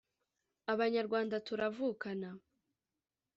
’’Abanyarwanda turavukana